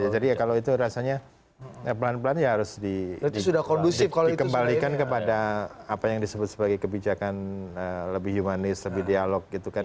jadi kalau itu rasanya pelan pelan ya harus dikembalikan kepada apa yang disebut sebagai kebijakan lebih humanis lebih dialog gitu kan